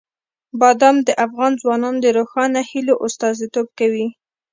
بادام د افغان ځوانانو د روښانه هیلو استازیتوب کوي.